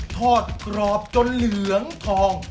ทอดกรอบจนเหลืองทอง